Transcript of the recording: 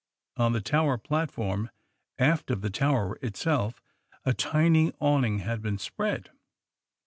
On the tower platform, aft of the tower itself, a tiny awning had been spread.